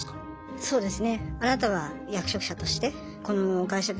そうですよね。